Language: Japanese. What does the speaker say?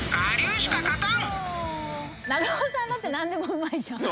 長尾さんだって何でもうまいじゃん。